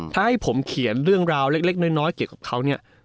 ถ้าให้ผมเขียนเรื่องราวเล็กน้อยเกี่ยวกับเขาเนี่ย